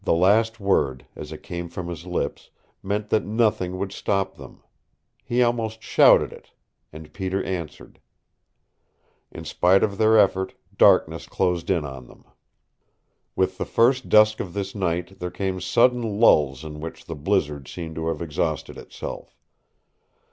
The last word, as it came from his lips, meant that nothing would stop them. He almost shouted it. And Peter answered. In spite of their effort, darkness closed in on them. With the first dusk of this night there came sudden lulls in which the blizzard seemed to have exhausted itself.